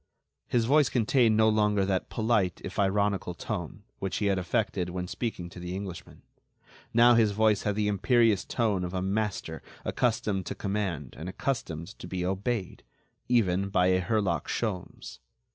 His voice contained no longer that polite, if ironical, tone, which he had affected when speaking to the Englishman. Now, his voice had the imperious tone of a master accustomed to command and accustomed to be obeyed—even by a Herlock Sholmes.